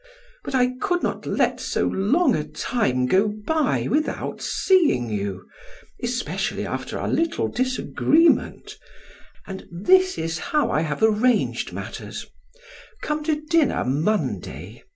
But I could not let so long a time go by without seeing you, especially after our little disagreement, and this is how I have arranged matters: Come to dinner Monday.